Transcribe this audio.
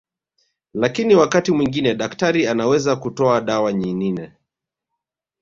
Lakini wakati mwingine daktari anaweza kutoa dawa nyinine